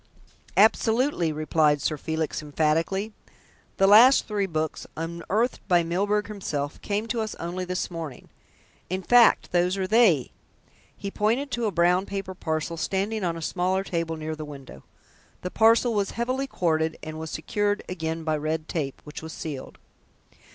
"Absolutely," replied Sir Felix emphatically. "The last three books, unearthed by Mr. Milburgh himself, came to us only this morning. In fact, those are they," he pointed to a brown paper parcel standing on a smaller table near the window. The parcel was heavily corded and was secured again by red tape, which was sealed.